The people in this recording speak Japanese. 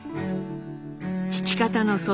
父方の祖父